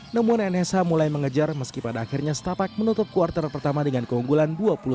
namun nsh mulai mengejar meski pada akhirnya setapak menutup kuartal pertama dengan keunggulan dua puluh satu